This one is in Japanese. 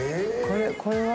これは？